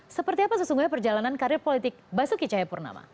seperti apa sesungguhnya perjalanan karir politik basuki cahayapurnama